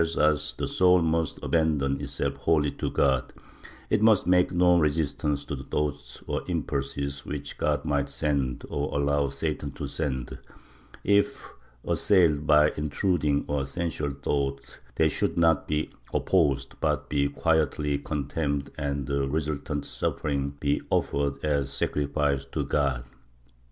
IV 4 50 MYSTICISM [Book VIII US the soul must abandon itself wholly to God; it must make no resistance to the thoughts or impulses which God might send or allow Satan to send ; if assailed by intruding or sensual thoughts, they should not be opposed but be quietly contemned and the resultant suffering be offered as a sacrifice to God.